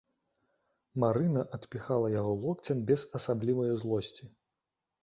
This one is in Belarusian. Марына адпіхала яго локцем без асаблівае злосці.